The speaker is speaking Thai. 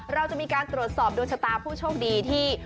เราจะมีการตรวจสอบดวงชะตาผู้โชคดีที่